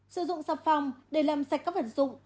sử dụng sạp phòng để làm sạch các vật dụng